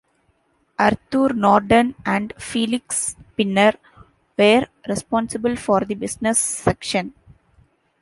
Arthur Norden and Felix Pinner were responsible for the business section.